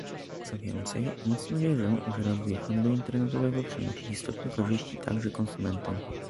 Co więcej, mocno wierzę, że rozwój handlu internetowego przynosi istotne korzyści także konsumentom